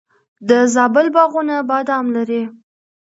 د زابل باغونه بادام لري.